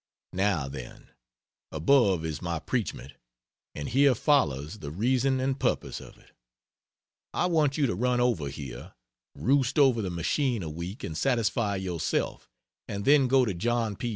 Now then, above is my preachment, and here follows the reason and purpose of it. I want you to run over here, roost over the machine a week and satisfy yourself, and then go to John P.